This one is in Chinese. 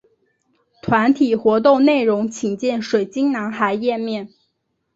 团体活动内容请见水晶男孩页面。